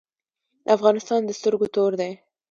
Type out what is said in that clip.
افغانستان د سترګو تور دی